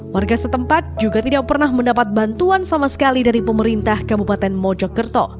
warga setempat juga tidak pernah mendapat bantuan sama sekali dari pemerintah kabupaten mojokerto